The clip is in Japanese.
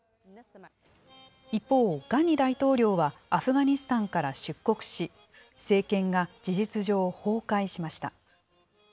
一方、ガニ大統領はアフガニスタンから出国し、政権が事実上崩壊しました。